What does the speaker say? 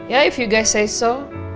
ya kalau kalian bilang begitu